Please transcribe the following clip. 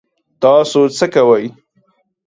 تاسو څه کوئ؟